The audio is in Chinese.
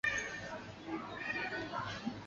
瓦龙格。